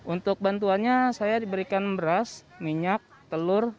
untuk bantuannya saya diberikan beras minyak telur